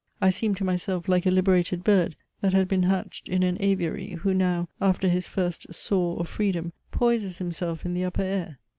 I seemed to myself like a liberated bird that had been hatched in an aviary, who now, after his first soar of freedom, poises himself in the upper air.